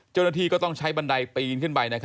เจ้าหน้าที่ก็ต้องใช้บันไดปีนขึ้นไป